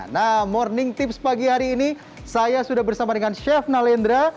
nah morning tips pagi hari ini saya sudah bersama dengan chef nalendra